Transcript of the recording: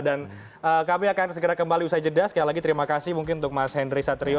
dan kami akan segera kembali usai jeda sekali lagi terima kasih mungkin untuk mas henry satrio